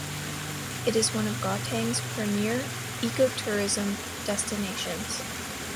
It is one of Gauteng's premier ecotourism destinations.